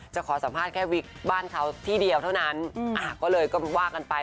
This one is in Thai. ขอสัมภาษณ์แค่วิกบ้านเขาที่เดียวเท่านั้นก็เลยก็ว่ากันไป